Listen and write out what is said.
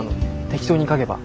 適当に書けば。